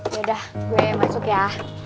yaudah gue masuk ya